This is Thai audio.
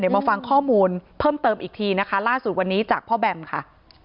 มาฟังข้อมูลเพิ่มเติมอีกทีนะคะล่าสุดวันนี้จากพ่อแบมค่ะ